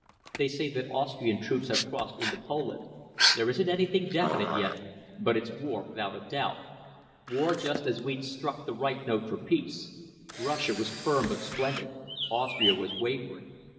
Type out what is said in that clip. They say that Austrian troops have crossed into Poland. There isn't anything definite yet, but it's war, without a doubt, war just as we'd struck the right note for peace. Russia was firm but splendid. Austria was wavering.